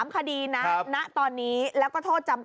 ๓คดีที่ว่า